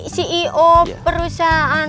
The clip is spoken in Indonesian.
si ceo perusahaan